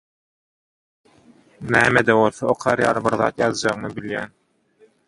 näme-de bolsa okar ýaly bir zat ýazjagymy bilýän.